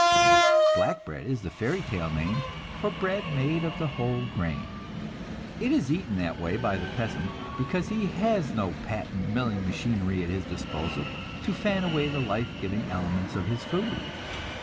"Black bread" is the fairy story name for bread made of the whole grain. It is eaten that way by the peasant because he has no patent milling machinery at his disposal, to fan away the life giving elements of his food.